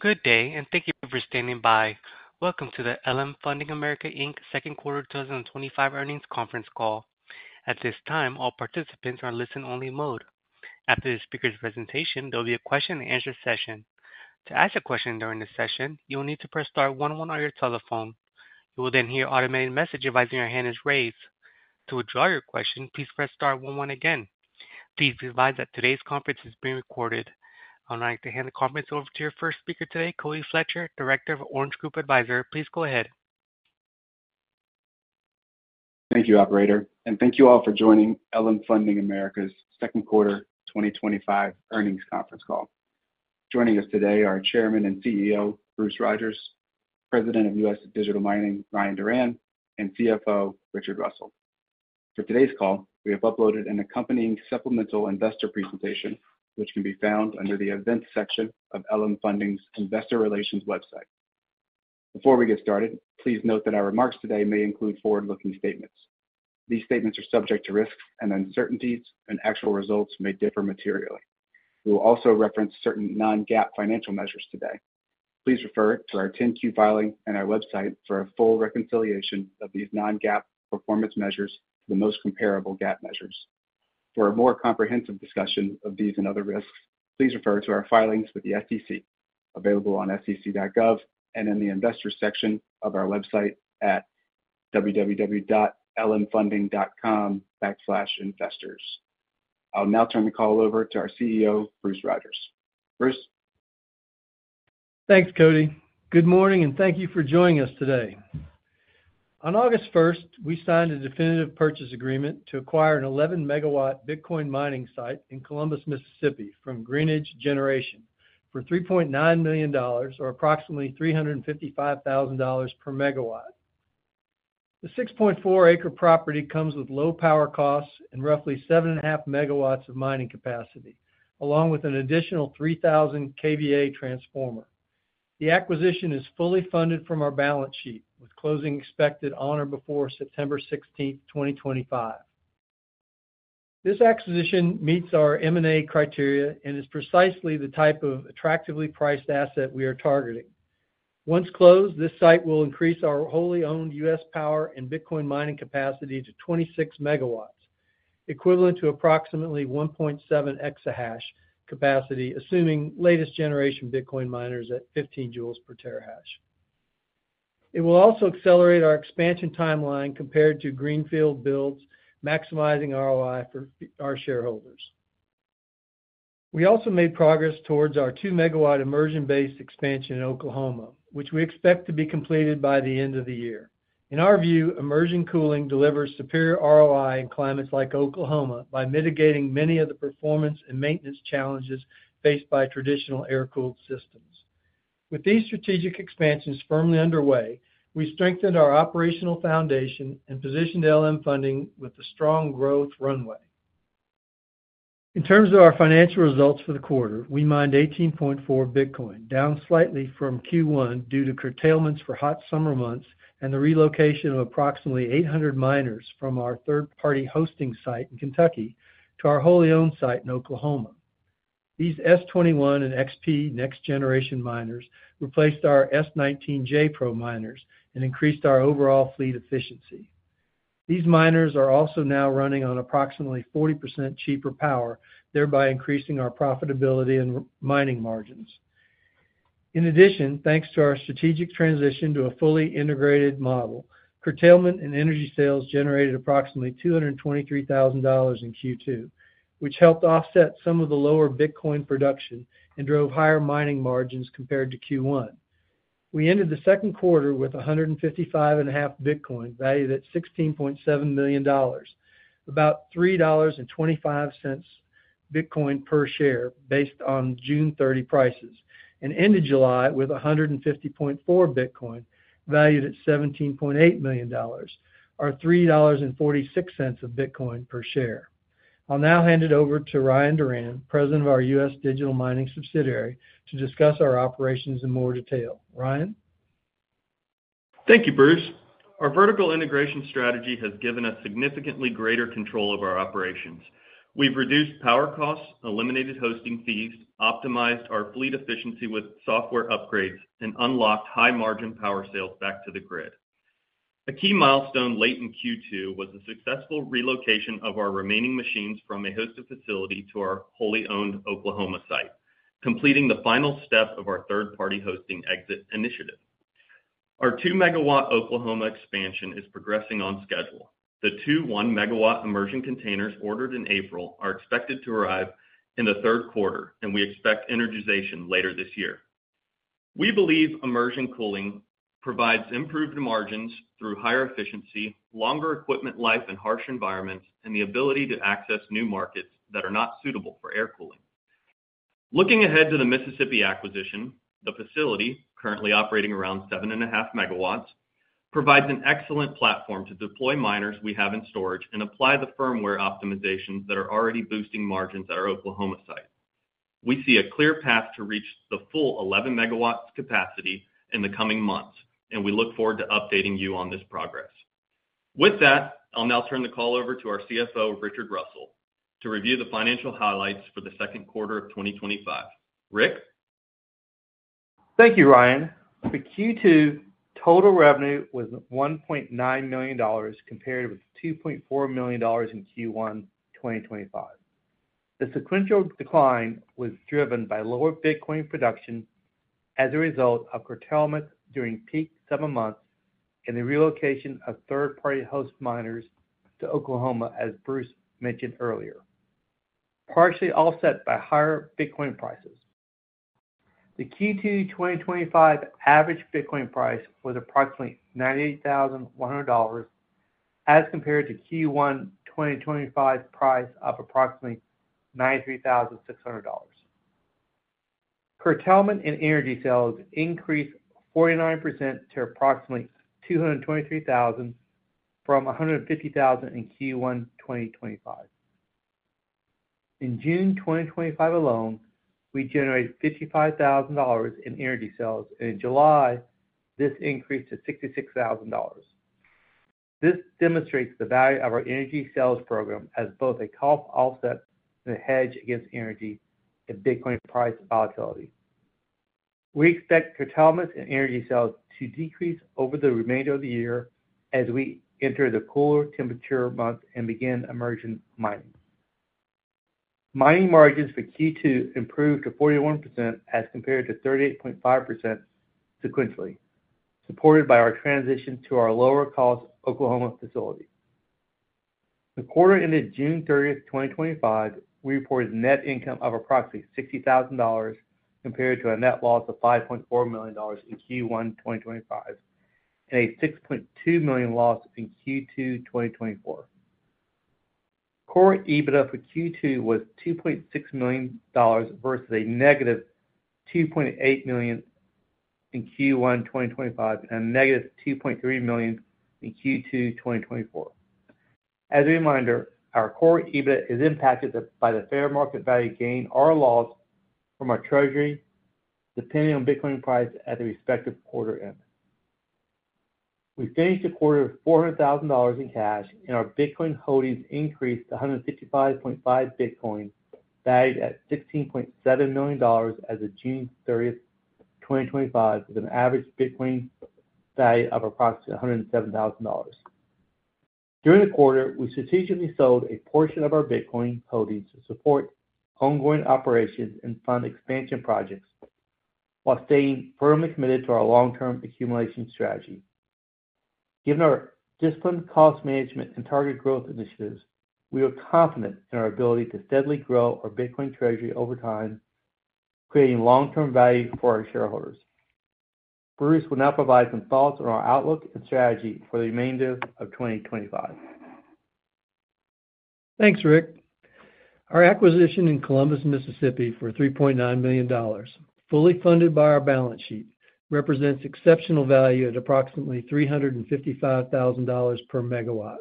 Good day, and thank you for standing by. Welcome to the LM Funding America Inc. Second Quarter 2025 Earnings Conference Call. At this time, all participants are in listen-only mode. After the speaker's presentation, there will be a question-and-answer session. To ask a question during this session, you will need to press star one one on your telephone. You will then hear an automated message advising your hand is raised. To withdraw your question, please press star one one again. Please be advised that today's conference is being recorded. I would like to hand the conference over to our first speaker today, Cody Fletcher, Director of Orange Group Advisory. Please go ahead. Thank you, Operator, and thank you all for joining LM Funding America's Second Quarter 2025 Earnings Conference Call. Joining us today are Chairman and CEO Bruce Rodgers, President of US Digital Mining Ryan Duran, and CFO Richard Russell. For today's call, we have uploaded an accompanying supplemental investor presentation, which can be found under the Events section of LM Funding's Investor Relations website. Before we get started, please note that our remarks today may include forward-looking statements. These statements are subject to risks and uncertainties, and actual results may differ materially. We will also reference certain non-GAAP financial measures today. Please refer to our Form 10-Q filing and our website for a full reconciliation of these non-GAAP performance measures with the most comparable GAAP measures. For a more comprehensive discussion of these and other risks, please refer to our filings with the SEC, available on sec.gov, and in the Investors section of our website at www.lmfunding.com/investors. I will now turn the call over to our CEO, Bruce Rodgers. Bruce? Thanks, Cody. Good morning, and thank you for joining us today. On August 1st, we signed a Definitive Purchase Agreement to acquire an 11 MW Bitcoin mining site in Columbus, Mississippi, from Greenidge Generation for $3.9 million, or approximately $355,000 per MW. The 6.4-acre property comes with low power costs and roughly 7.5 MW of mining capacity, along with an additional 3,000 kVA transformer. The acquisition is fully funded from our balance sheet, with closing expected on or before September 16th, 2025. This acquisition meets our M&A criteria and is precisely the type of attractively priced asset we are targeting. Once closed, this site will increase our wholly owned U.S. power and Bitcoin mining capacity to 26 MW, equivalent to approximately 1.7 EH capacity, assuming latest generation Bitcoin miners at 15 joules per TH. It will also accelerate our expansion timeline compared to Greenfield builds, maximizing ROI for our shareholders. We also made progress towards our 2 MW immersion-based expansion in Oklahoma, which we expect to be completed by the end of the year. In our view, immersion cooling delivers superior ROI in climates like Oklahoma by mitigating many of the performance and maintenance challenges faced by traditional air-cooled systems. With these strategic expansions firmly underway, we strengthened our operational foundation and positioned LM Funding with a strong growth runway. In terms of our financial results for the quarter, we mined 18.4 Bitcoin, down slightly from Q1 due to curtailments for hot summer months and the relocation of approximately 800 miners from our third-party hosting site in Kentucky to our wholly owned site in Oklahoma. These S21 and XP next-generation miners replaced our S19 J Pro miners and increased our overall fleet efficiency. These miners are also now running on approximately 40% cheaper power, thereby increasing our profitability and mining margins. In addition, thanks to our strategic transition to a fully integrated model, curtailment in energy sales generated approximately $223,000 in Q2, which helped offset some of the lower Bitcoin production and drove higher mining margins compared to Q1. We ended the second quarter with 155.5 Bitcoin valued at $16.7 million, about $3.25 Bitcoin per share based on June 30th prices, and ended July with 150.4 Bitcoin valued at $17.8 million, or $3.46 of Bitcoin per share. I'll now hand it over to Ryan Duran, President of our US Digital Mining subsidiary, to discuss our operations in more detail. Ryan? Thank you, Bruce. Our vertical integration strategy has given us significantly greater control of our operations. We've reduced power costs, eliminated hosting fees, optimized our fleet efficiency with software upgrades, and unlocked high-margin power sales back to the grid. A key milestone late in Q2 was the successful relocation of our remaining machines from a hosted facility to our wholly owned Oklahoma site, completing the final step of our third-party hosting exit initiative. Our 2 MW Oklahoma expansion is progressing on schedule. The two 1 MW immersion mining containers ordered in April are expected to arrive in the third quarter, and we expect energization later this year. We believe immersion cooling provides improved margins through higher efficiency, longer equipment life in harsh environments, and the ability to access new markets that are not suitable for air cooling. Looking ahead to the Mississippi acquisition, the facility, currently operating around 7.5 MW, provides an excellent platform to deploy miners we have in storage and apply the firmware optimizations that are already boosting margins at our Oklahoma site. We see a clear path to reach the full 11 MW capacity in the coming months, and we look forward to updating you on this progress. With that, I'll now turn the call over to our CFO, Richard Russell, to review the financial highlights for the second quarter of 2025. Rick? Thank you, Ryan. For Q2, total revenue was $1.9 million compared with $2.4 million in Q1 2025. The sequential decline was driven by lower Bitcoin production as a result of curtailments during peak summer months and the relocation of third-party host miners to Oklahoma, as Bruce mentioned earlier, partially offset by higher Bitcoin prices. The Q2 2025 average Bitcoin price was approximately $98,100 as compared to Q1 2025 price of approximately $93,600. Curtailment in energy sales increased 49% to approximately $223,000 from $150,000 in Q1 2025. In June 2025 alone, we generated $55,000 in energy sales, and in July, this increased to $66,000. This demonstrates the value of our energy sales program as both a cost offset and a hedge against energy and Bitcoin price volatility. We expect curtailments in energy sales to decrease over the remainder of the year as we enter the cooler temperature months and begin immersion mining. Mining margins for Q2 improved to 41% as compared to 38.5% sequentially, supported by our transition to our lower-cost Oklahoma facility. The quarter ended June 30th, 2025. We reported a net income of approximately $60,000 compared to a net loss of $5.4 million in Q1 2025 and a $6.2 million loss in Q2 2024. Core EBITDA for Q2 was $2.6 million versus a -$2.8 million in Q1 2025 and a -$2.3 million in Q2 2024. As a reminder, our core EBITDA is impacted by the fair market value gain or loss from our treasury, depending on Bitcoin price at the respective quarter ends. We finished the quarter with $400,000 in cash, and our Bitcoin holdings increased to 155.5 Bitcoin valued at $16.7 million as of June 30th, 2025, with an average Bitcoin value of approximately $107,000. During the quarter, we strategically sold a portion of our Bitcoin holdings to support ongoing operations and fund expansion projects while staying firmly committed to our long-term accumulation strategy. Given our disciplined cost management and target growth initiatives, we are confident in our ability to steadily grow our Bitcoin treasury over time, creating long-term value for our shareholders. Bruce will now provide some thoughts on our outlook and strategy for the remainder of 2025. Thanks, Rick. Our acquisition in Columbus, Mississippi, for $3.9 million, fully funded by our balance sheet, represents exceptional value at approximately $355,000 per MW.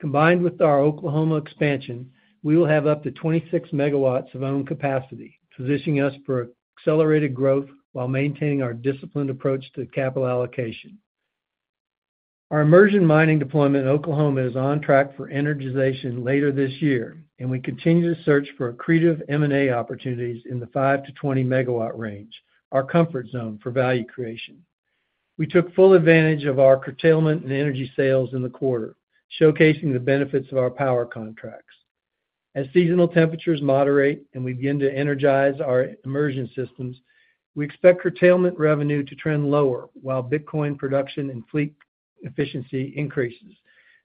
Combined with our Oklahoma expansion, we will have up to 26 MW of owned capacity, positioning us for accelerated growth while maintaining our disciplined approach to capital allocation. Our immersion mining deployment in Oklahoma is on track for energization later this year, and we continue to search for creative M&A opportunities in the 5 MW-20-MW range, our comfort zone for value creation. We took full advantage of our curtailment in energy sales in the quarter, showcasing the benefits of our power contracts. As seasonal temperatures moderate and we begin to energize our immersion systems, we expect curtailment revenue to trend lower while Bitcoin production and fleet efficiency increase,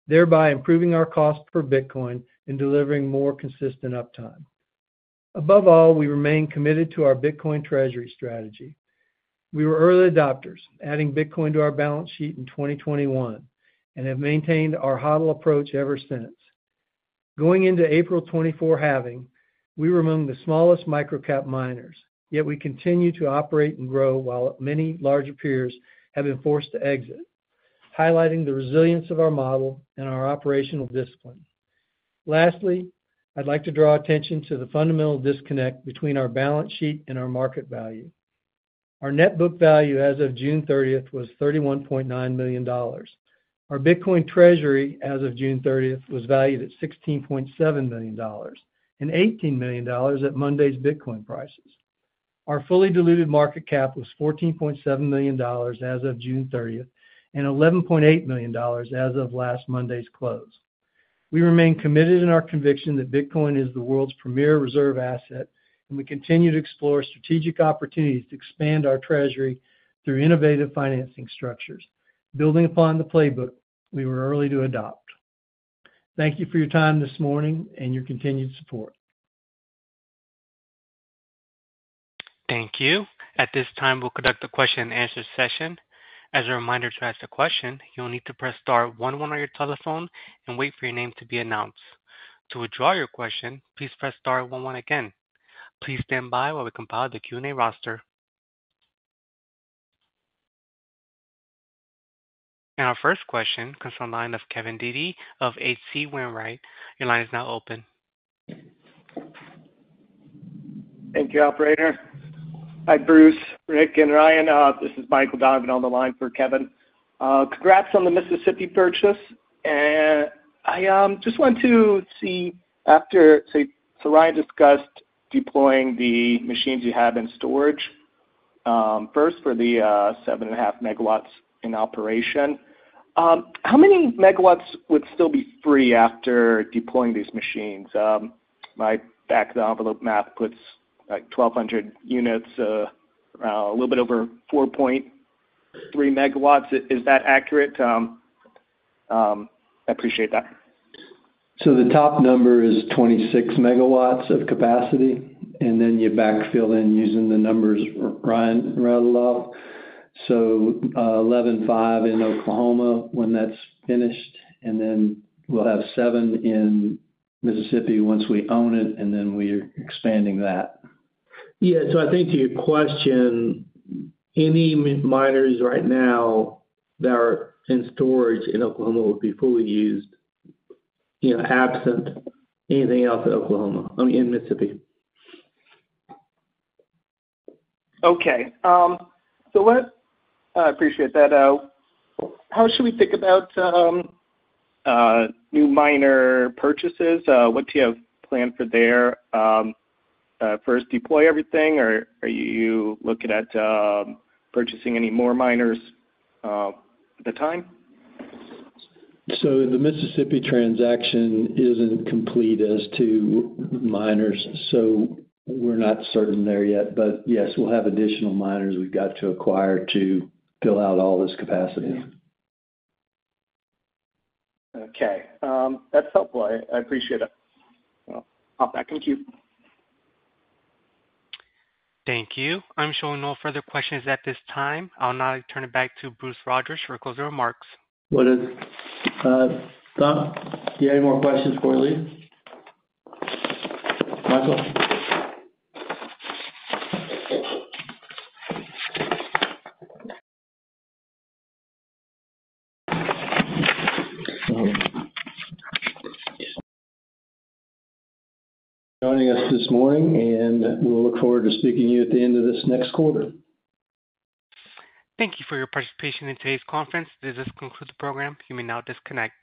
thereby improving our cost per Bitcoin and delivering more consistent uptime. Above all, we remain committed to our Bitcoin treasury strategy. We were early adopters, adding Bitcoin to our balance sheet in 2021, and have maintained our HODL approach ever since. Going into April 2024 halving, we were among the smallest microcap miners, yet we continue to operate and grow while many larger peers have been forced to exit, highlighting the resilience of our model and our operational discipline. Lastly, I'd like to draw attention to the fundamental disconnect between our balance sheet and our market value. Our net book value as of June 30th was $31.9 million. Our Bitcoin treasury as of June 30th was valued at $16.7 million and $18 million at Monday's Bitcoin prices. Our fully diluted market cap was $14.7 million as of June 30th and $11.8 million as of last Monday's close. We remain committed in our conviction that Bitcoin is the world's premier reserve asset, and we continue to explore strategic opportunities to expand our treasury through innovative financing structures, building upon the playbook we were early to adopt. Thank you for your time this morning and your continued support. Thank you. At this time, we'll conduct the question-and-answer session. As a reminder, to ask a question, you will need to press star one one on your telephone and wait for your name to be announced. To withdraw your question, please press star one one again. Please stand by while we compile the Q&A roster. Our first question comes from the line of Kevin Dede of H.C. Wainwright. Your line is now open. Thank you, Operator. Hi, Bruce, Rick, and Ryan. This is Michael Donovan on the line for Kevin. Congrats on the Mississippi purchase. I just want to see after, say, Ryan discussed deploying the machines you have in storage, first for the 7.5 MW in operation. How many MW would still be free after deploying these machines? My back-of-the-envelope math puts like 1,200 units, a little bit over 4.3 MW. Is that accurate? I appreciate that. The top number is 26 MW of capacity, and then you backfill in using the numbers Ryan read aloud. 11.5 in Oklahoma when that's finished, and then we'll have 7 in Mississippi once we own it, and then we are expanding that. I think to your question, any miners right now that are in storage in Oklahoma would be fully used, you know, absent anything else in Oklahoma and Mississippi. Okay. I appreciate that. How should we think about new miner purchases? What do you have planned for there? First, deploy everything, or are you looking at purchasing any more miners at the time? The Mississippi transaction isn't complete as to miners, so we're not certain there yet, but yes, we'll have additional miners we've got to acquire to fill out all this capacity. Okay, that's helpful. I appreciate it. Thank you. I'm showing no further questions at this time. I'll now turn it back to Bruce Rodgers for closing remarks. What is it? Do you have any more questions before we leave? Michael? Joining us this morning, and we'll look forward to speaking to you at the end of this next quarter. Thank you for your participation in today's conference. This concludes the program. You may now disconnect.